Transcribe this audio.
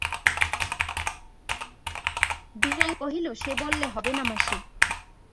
বিনয় কহিল, সে বললে হবে না মাসি!